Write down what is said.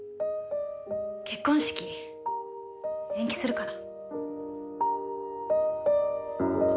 結婚式延期するから。